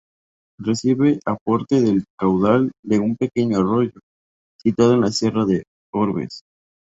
Recibe aporte del caudal de un pequeño arroyo, situado en la sierra de Orbes.